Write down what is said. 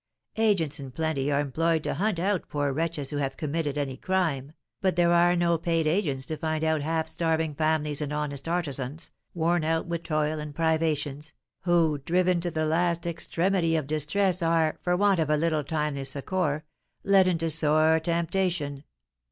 Agents in plenty are employed to hunt out poor wretches who have committed any crime, but there are no paid agents to find out half starving families and honest artisans, worn out with toil and privations, who, driven to the last extremity of distress, are, for want of a little timely succour, led into sore temptation.